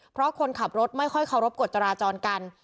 เพราะคนขับรถไม่ค่อยเคารพกฎจราจรกัน